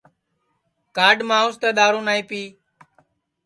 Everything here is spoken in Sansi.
کھاڈھ مانٚوس تیں دؔارو نائی پی